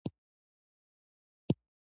دځنګل حاصلات د افغانستان د اقلیم ځانګړتیا ده.